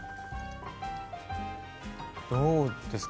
どうですか？